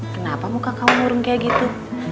kenapa muka kamu murung kayak gitu